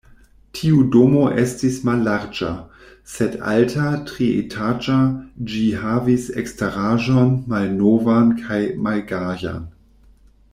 Tiu domo estis mallarĝa, sed alta, trietaĝa, ĝi havis eksteraĵon malnovan kaj malgajan.